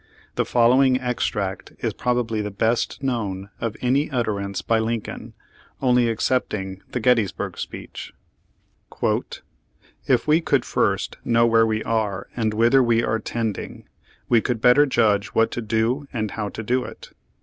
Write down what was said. The following extract is probably the best known of any utterance by Lin coln, only excepting the Gettysburg speech: "If we could first know where we are and whither we are tending:, we could better judge what to do and how to do it.